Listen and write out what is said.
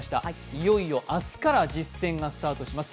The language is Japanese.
いよいよ明日から実戦がスタートします。